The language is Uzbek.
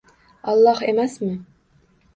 Olloh emasmi?